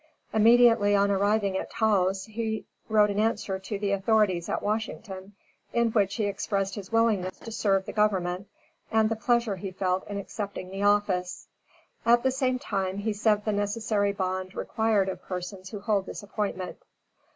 Immediately on arriving at Taos, he wrote an answer to the authorities at Washington, in which he expressed his willingness to serve the government, and the pleasure he felt in accepting the office; at the same time he sent the necessary bond required of persons who hold this appointment.